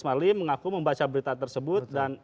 marlim mengaku membaca berita tersebut dan